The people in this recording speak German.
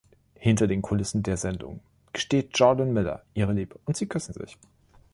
Hinter den Kulissen der Sendung gesteht Jordan Miller ihre Liebe und sie küssen sich.